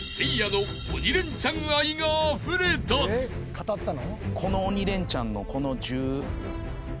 語ったの？